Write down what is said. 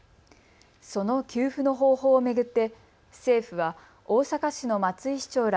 その給付の方法を巡って政府は大阪市の松井市長ら